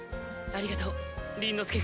ありがとう凛之